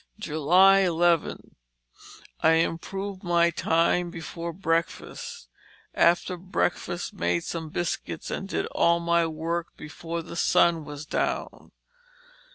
" 11. I improved my time before breakfast; after breakfast made some biscuits and did all my work before the sun was down.